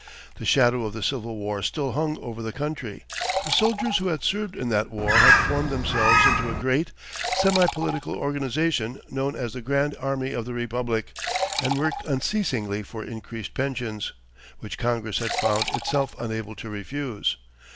The shadow of the Civil War still hung over the country; the soldiers who had served in that war had formed themselves into a great, semi political organization, known as the Grand Army of the Republic, and worked unceasingly for increased pensions, which Congress had found itself unable to refuse.